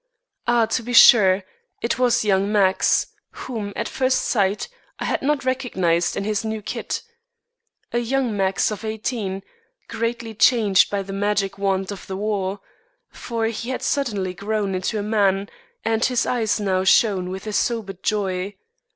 Ah! to be sure, it was young Max, whom, at first sight, I had not recognised in his new kit a young Max of eighteen, greatly changed by the magic wand of war, for he had suddenly grown into a man, and his eyes now shone with a sobered joy.